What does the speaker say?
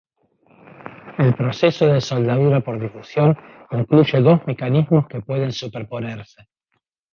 El proceso de soldadura por difusión incluye dos mecanismos que pueden superponerse.